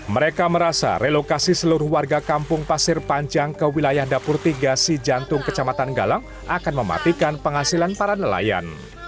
mereka merasa relokasi seluruh warga kampung pasir panjang ke wilayah dapur tiga si jantung kecamatan galang akan mematikan penghasilan para nelayan